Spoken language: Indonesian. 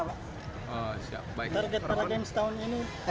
target para games tahun ini